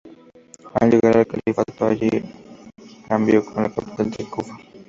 Al llegar al califato, Alí cambio la capital a Kufa.